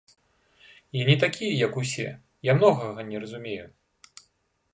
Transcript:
Я не такі як усе, я многага не разумею.